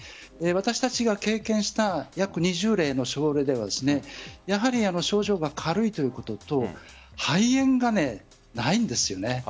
私たちが経験した約２０例の症例ではやはり症状が軽いということと肺炎がないんです。